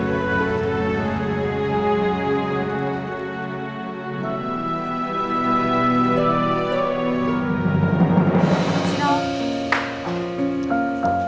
terima kasih om